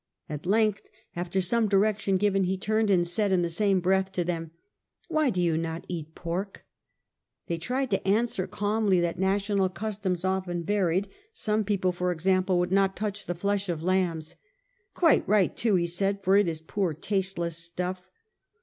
At length, after some direction given, he turned and said in the same breath to them, ^ Why do you not eat pork ?' They tried to answer calmly that national customs often varied: some people, for example, would not touch the flesh of lambs. ' Quite right, too,' be said, * for it is poor tasteless stuff.'